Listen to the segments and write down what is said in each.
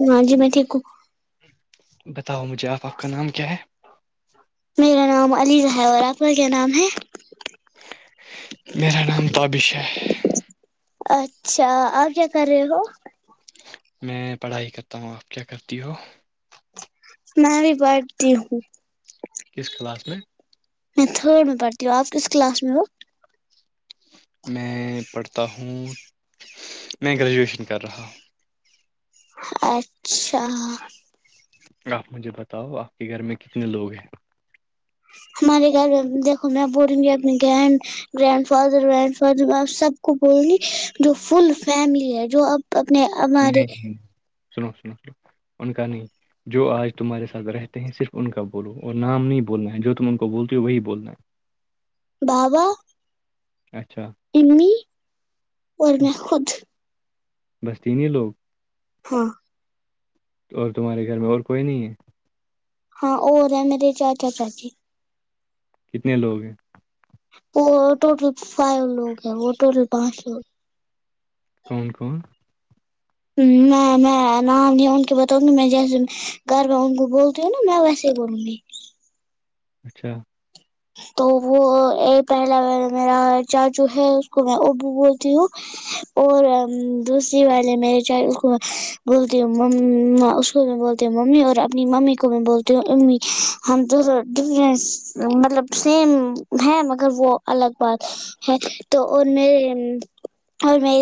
ہاں جی میں ٹھیک ہوں بتاؤ مجھے آپ آپ کا نام کیا ہے میرا نام علیز ہے اور آپ کا کیا نام ہے میرا نام تابشاہ ہے اچھا اور کیا کر رہے ہو میں پڑھائی کرتا ہوں آپ کیا کرتی ہو میں بھی بیھتی ہوں کس کلاس میں میں تھرڈ میں پڑتی ہوں آپ کس کلاس میں ہو میں پڑھتا ہوں میں گریجویشن کر رہا ہوں اچھا آپ مجھے بتاؤ آپ کے گھر میں کتنے لوگ ہیں ہمارے گھر میں دیکھو میں بولوں گی اپنی گن گرنڈ فادر گرڈ فادر آپ سب کو بول گی جو فل فیملی ہے جو اب تو اپنے ہمارے نہیں سنو سنو سو ان کا نہیں جو آج تمہارے ساتھ رہ ہیں صرف ان کا بولو اور نام نہیں بولنا ہے جو تم ان کو بولتے ہو وہی بولنا ہے بابا اچھا امی اور میں خود بسطین لوگ ہاں اور تمہارے گھر میں اور کوئی نہیں ہے ہاں اور رہ ہے میرے چاچا چاچی کتنے لوگ ہیں وہ ٹوٹل فائیو لوگ ہیں وہ ٹوٹل پانچ لوگ کون کون میں میں نام لیا ان کے بتاؤں گی میں جیسے گھر میں ان کو بولتی ہوں نا میں ویسے ہی بولوں گی اچھا تو وہ پہلا میرا چا جو ہے اس کو میں ابو بولتی ہوں اور دوسری وال ہے مے چ کو بولتی ہ م اس کو میں بولتی ہوں ممی اور اپنی ممی کو میں بولتی ہوں امی ہم ڈفنس مطلب سیم ہے مگر وہ الگ بات ہے تو اور م اور میں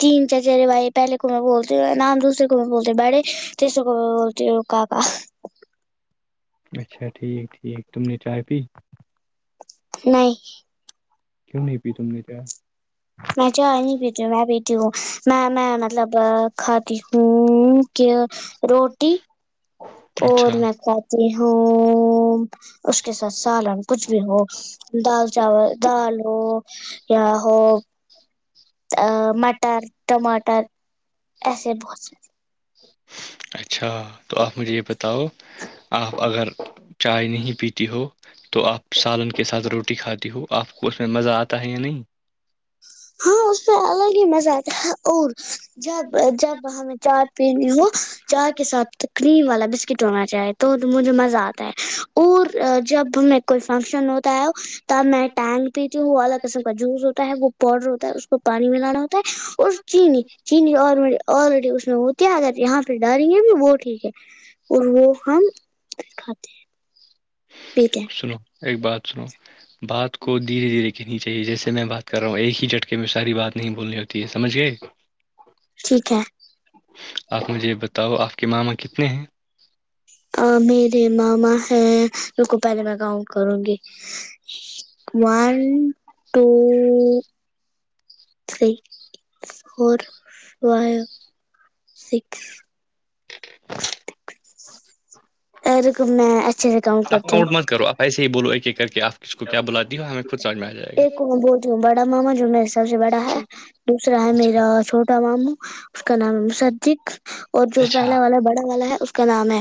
تین چچہرے بھائی پہلے کو میں بولتے ہو نام دوسر کو میں بولتے بڑے تیسروں کو میں بولتے ہو کا کا اچھا ٹھیک ٹھیک تم نے چائےائے پ نہیں کیوں نہیں پی تم نے کیا میں ج نہیں بیتی ہ میں بیتی ہوں میں میں مطلب کھاتی ہوں کہ روٹی اور اچھا میں کہاہتی ہوں اس کے ساتھ سالن کچھ بھی ہو دال چاول دال ہو یا ہو ا مٹر ٹماٹر ایسے بہت سےارے اچھا تو آپ مجھے یہ بتاؤ آپ اگر چائے نہیں پیتی ہو تو آپ سالن کے ساتھ روٹی کھاتی ہو آپ کو اس میں مزہ آتا ہے یا نہیں ہاں اس سے الگ ہی مزہ آتا ہے اور جب جب ہمیں چائے پیین ہو چائے کے ساتھ کریم والا بسکٹ ہونا چاہے تو مجھے مزہ آتا ہے اور جب میں کوئی فنکشن ہوتا ہے میں ٹینگ پیتی ہوں وہ ا الگ قسم کا جوس ہوتا ہے وہ ڈر ہوتا ہے اس کو پانی میں لانا ہوتا ہے اور چینی چینی آ آلریڈی اس میں ہوتی ہے اگر یہاں پہ ڈالیں گے بھی وہ ٹھیک ہے اور وہ ہم د کھاتے ہیں پیتے ہیں سنو ایک بات سنو بات کو دھیرے دھیرے کہنی چاہیے جیسے میں بات کر رہا ہوں ایک ہی جھٹکے میں ساری بات نہیں بھولنی ہوتی ہے سجھ گئے ٹھیک ہے آپ مجھے یہ بتاؤ آپ کے ماما کتنے ہیں میرے ماما ہے ان کو پہلے میں کاؤنٹ کروں گی ون ٹو س فور فائیو سکس ا رک میں اچھا سے کام آپ کرتیوں کاؤنٹ مت کرو آپ ایسے ہی بول ایک کہ آپ ک کو کیا بلاتی ہو ہمیں خود سمجھ میں آ جائے گا ایک کو میں بولتی ہوں بڑا ماما جو میرے سب سے بڑا ہے دوسرا ہے اچھا میرا چھوٹا ماموں اس کا نام ہے سجک اور جو اچھا پہلا والا بڑا والا ہے کا نام ہے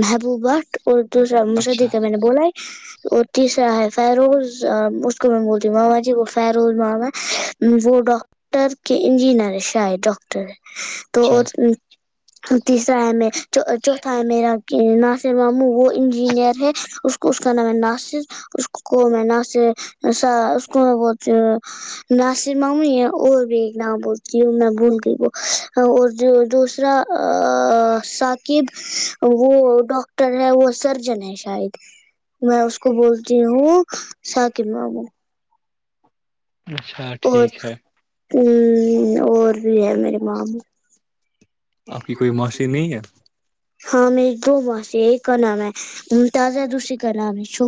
محبوب بٹ اور دوسرا مشدی اچھا کا میں نے بولا ہے اور شرا ہے فیروز اس کو میں بولتی ہوں ماما جی وہ فیروز ماما وہ ڈاکٹر ڈاکٹر کے انجینئر ہے شاید ڈاکٹر تو اچھا اور تیسرا ہے میں چوتھا ہے میرا کہ ناصر ماموں وہ انجینئر ہے اس کو اس کا نام ہے ناصر اس کو میں نہ سےا اس کو میں ب ناصر مام ہے اور بھی ایک نام بولتی ہے میں بھول گئی وہ اور جو دوسرا ثاقب وہ ڈاک وہ سرجن ہے شاید میں اس کو کو بولتی ہوں ساکمابو اچھا اور ٹھیک ہے ہ اور بھی ہے میرے معم آپ کی کوئی معاشی نہیں ہے ہاں میری دو وہاں سے ایک کا نام ہے ممتازہ دوسری کا نام ہے شو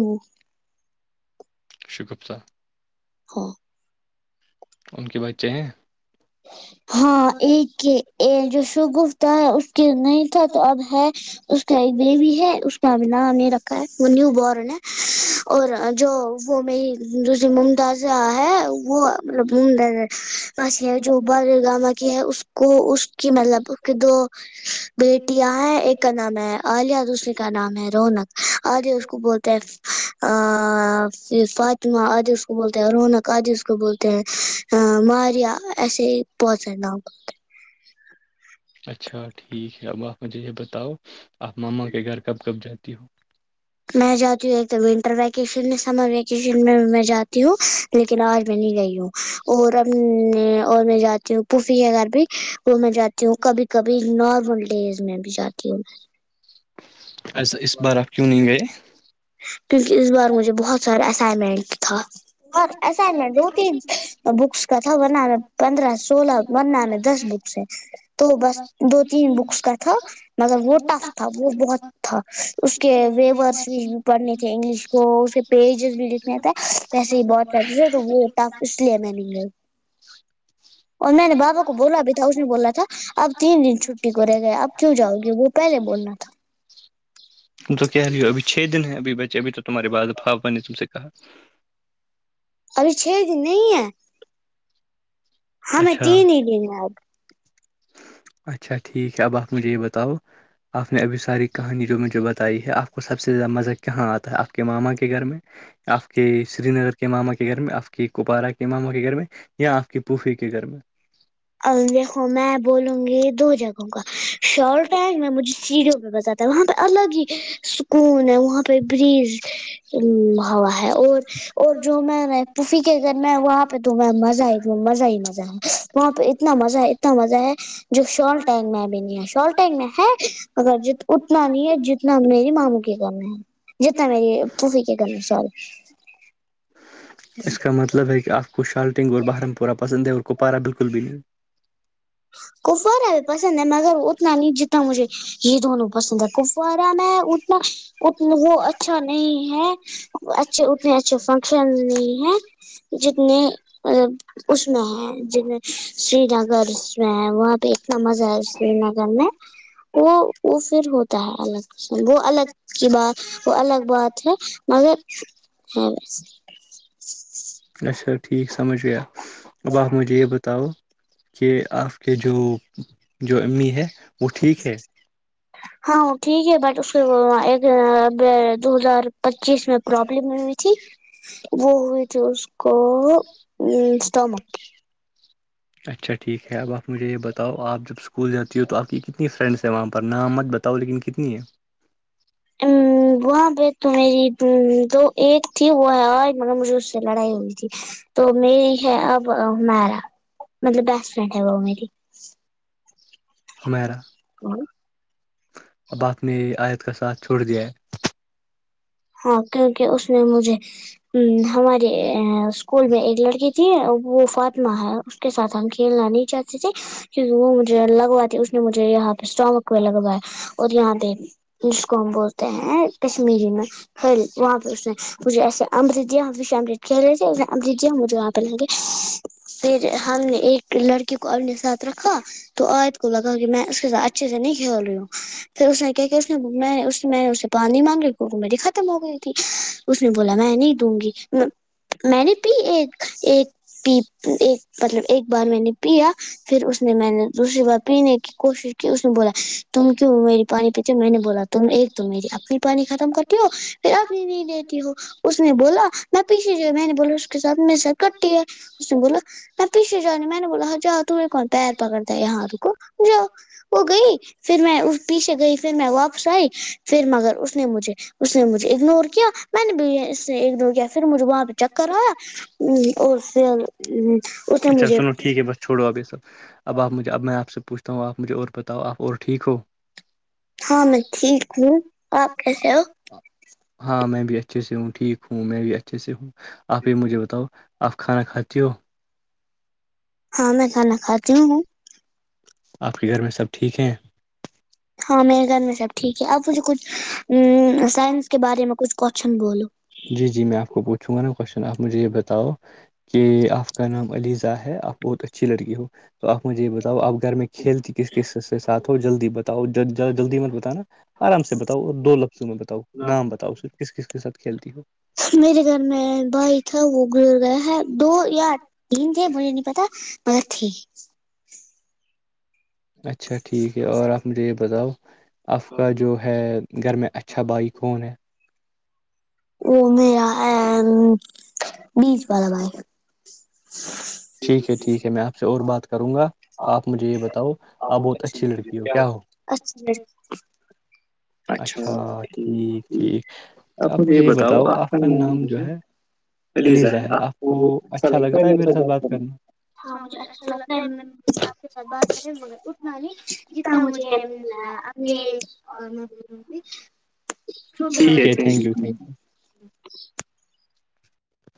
شگپتہ ہاں ان کے بچے ہیں ہاں ایک کے جو شوگفتا ہے اس کے نہیں تھا تو اب ہے اس کا ایک بیبی ہے اس کا ا نام نہیں رکھا ہے وہ نیو بورن ہے اور جو وہ میری دوسری ممتاز ہے وہ مطلب ممتا جو بار گاما کی ہے اس کو اس کی مطلب اس کے دو بیٹیاں ہے ایک کا نام ہے عالیا دوسری کا نام ہے رونق آگے اس کو بولتا ہیں ما آدیش کو بولتے ہیں رونق آدیش کو بولتے ہیں ماریا پہنچ نا اچھا ٹھیک ہے اب آپ مجھے یہ بتاؤ آپ ماما کے گھر کب کب جاتی ہو میں جاتی ہوں ایک تو ونٹر ویکیشن میں سمر ویکیشن میں میں جاتی ہوں لیکن آج میں نہیں گئی ہوں اور اب اور میں جاتی ہوں پوفی کے گھر بھی وہ میں جات تی ہوں کبھی کبھی نارمل ڈیز میں بھی جاتی ہوں اس بارآ آف کیوں نہیں گئےے کیونکہ اس بار مجھے بہت سارا اسائنمنٹ تھا اور ایسا دو تین بکس کا تھا ورنہ پندرہ سولہ ورنہ میں دس بکس ہے تو بس دو تین بکس کا تھا مگر وہ ٹف تھا وہ بہت تھا اس کے وورڈس بھی پڑھنے تھے انگلش کو اس کے پیجز بھی لکھنے تھےسے نہیں گئی اور میں نے بابا کو بولا بھی تھا اس نے بولا تھا اب تین دن چھٹی کو رہے گیا اب کیوں جاؤ گے وہ پہلے بولنا تھا تو کہہ رہی ہو ابھی چھ دن ہے ابھی بچے ابھی تو تمہارے بعضفاپا نے تم سے کہا ابھی چھ دن نہیں ہے ہ میں اچھا تین دین آپ اچھا ٹھیک ہے اب آپ مجھے یہ بتاؤ آپ نے ابھی ساری کہانی جو مجھے بتائی ہے آپ کو سب سے زیادہ مزہ کہاں آتا ہے آپ کے ماما کے گھر میں آپ کے سری نگر کے ماما کے گھر میں آپ کے کوپوارا کے ماما کے گھر میں یا آپ کے پوفے کے گھر میں ا دیکھو میں بولوں گی دو جگہوں کا شار گ میں مجھے سیڑھیوں پہ بتاتا ہے وہاں پہ الگ ہی سکون ہے وہاں پہ بریج ہوا ہے اور اور جو میں پفی کے ا گگر میں وہاں پہ تو میں مزہ آئی مزہ ہی مزہ ہے وہاں پہ اتنا مزہ ہے اتنا مزہ ہے جو شال ٹینگ میں ابھی نہیں آ ہے اگر اتنا نہیں ہے جتنا میری ماموں کے کام ہے جتنا میری پوفی کے کرنا سال اس کا مطلب ہے کہ آ کو شالٹنگ اور بہارم پورہ پسند ہے اور کپارا بالکل بھی نہیں ہ کپوارا بھی پسند ہے مگر اتنا نہیں جتنا مجھے یہ دونوں پسند ہے کپوارا میں اتنا ا وہ اچھا نہیں ہے اچھے اتنے اچھے فنکشن نہیں ہے جتنے اس میں ہیں ج سری نگر وہاں پہ اتنا مزہ ہے سری نگر میں وہ وہ پھر ہوتا ہے الگ وہ الگ کی بات وہ الگ بات ہے مگر ہےس اچھا ٹھیک سمجھ گیاب آ مجے یہ ب تؤ کہ آپ کے جو جو امی ہے وہ ٹھیک ہے [inaudible] ہاں ٹھیک ہے بٹ اس کے ایک دو ہزار پچیس میں پرابلم ہوئی تھی وہ ہوئی تھی اس کو اسٹمک اچھا ٹھیک ہے اب آپ مجھے یہ بتاؤ آپ جب اسکول جاتی ہو تو آپ کی کتنی فرینڈس وہاں پر نام مت بتاؤ لیکن کتنی ہے ہ وہاں پہ تو میری دو ایک تھی وہ ہے اور مگر مجھے اس سے لڑائی ہوئی تھی تو میری ہے اب میرا مطلب بیسٹ فرینڈ ہے وہ میری ہمیرا کو اب آپ نے آیت کا ساتھ چھوڑ دیا ہے ہاں کیونکہ اس نے مجھے ہماری اسکول میں ایک لڑکی جی وہ فاطمہ ہے اس کے ساتھ ہم کھیلنا نہیں چاہتے تھے کیونکہ وہ مجھے لگوا تھی اس نے مجھے یہاں پہ اسٹامک پہ لگوایا اور یہاں پہ ج کو ہم بولتے ہیں کشمیری میں پل وہاں پہ اس مجھے ایسےمرتیا امرت کھیل رہے تھےے امرتیا مجھے وہاں پہ لیں گے پھر ہم نے ایک لڑکی کو اپنے ساتھ رکھا تو عد کو لگا کہ میں اس کے ساتھ اچھے سے نہیں کھیل رہی ہوں پھر اس نے کیا کہ اس نے میں اس نے میں اسے پانی مانگی گو میری خط ختم ہو گئی تھی اس نے بولا میں نہیں دوں گی میں نے پی ایک پی ایک مطلب ایک بار میں نے پیا پھر اس نے میں نے دوسری بار پینے کی کوشش کی اس نے بولا تم کیوں میری پانی پیچھے میں نے بولا تھا تم ایک تو میری اپنی پانی ختم کرتی ہو پھر اب نہیں دیتی ہو اس نے بولا میں پیچھے جو میں نے بولا اس کے ساتھ م سر کٹی ہے اس نے بولا میں پیھے جاؤنی میں نے بولا ہاں جاؤ تو یہے کون پیر پکڑتا ہے یہاں رکو جاؤ وہ گئی پھر میں اس پیچھے گئی پھر میں واپس آئی پھر مگر اس نے مجھے اس نے مجھے اگنور کیا میں نے بھی اس نے اگنور کیا پھر مجھے وہاں پہ چک کرا ہ اور پ ہی اچھا سنو ٹھیک ہے بس چھو ابھی سب اب آپ مجھےب آپ سے پوچھ تو آپ مجھے اور بتاؤ آپ اور ٹھیک ہو ہاں میں ٹھیک ہوں آپ کیسے ہو ہاں میں بھی اچھے سے ہوں ٹھیک ہوں میں بھی اچھے سے ہوں آپ یہ مجھے بتاؤ آپ کھانا کھاتی ہو ہاں میں کھانا کھاتی ہوں آپ کے گھر میں سب ٹھیک ہیں ہاں میرے گھر میں سب ٹھیک ہے اپ مجھے کچھ ا سائنس کے بارے میں کچھ کوشچن بولو جی جی میں آپ کو پوچھوں گا نا کوشچن آپ مجھے یہ بتاؤ کہ آپ کا نام علیزہ ہے آپ بہت اچھی لڑکی ہو تو آپ مجھے یہ بتاؤ آپ گھر میں کھیلتی کس کس ساتھ ہو جلدی بتاؤ جلدی مل بتان نا آرام سے بتاؤ اور دو لفظوں میں بتاؤ نام بتاؤ صرف کس کس کے ساتھ کھیلتی ہو میرے گھر میں بھائی تھا وہ گزر گیا ہے دو یاار دے مریے نہیں پتا م اچھا ٹھیک ہے اور آپ مجھے یہ بتاؤ آپ کا جو ہے گھر میں اچھا بھائی کون ہے وہ میرا ہے بیس والا بائی ٹھیک ہے ٹھیک ہے میں آپ سے اور بات کروں گا ہاں آپ مجھے یہ بتاؤ آپ بہت اچھی ل لڑکی کیا ہو اچھا اچھا ٹھیک ٹھیک آپ مجھے یہ بتاؤ آپ کا نام جو ہے علیزا ہے آپ کو اچھا لگتا ہے میرے ساتھ بات کرنا ہاں مجھے اچھا لگتا ہے آپ کے ساتھ بات کرے مگر اتنا نہیں جتنا مجھے مجھے ٹھیک ہے تھینک یو تھینک ی [unintelligible]